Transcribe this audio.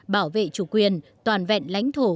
bảo vệ chủ quyền toàn vẹn lãnh thổ